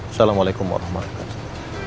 assalamualaikum warahmatullahi wabarakatuh